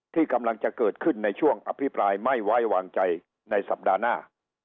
ที่กำลังจะเกิดขึ้นในช่วงอภิปรายไม่ไว้วางใจในสัปดาห์หน้า